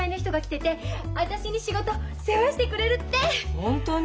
本当に？